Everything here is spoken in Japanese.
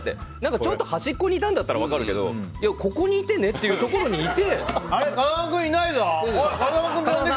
ちょっと端っこにいたなら分かるけどここにいてねっていうところにいて。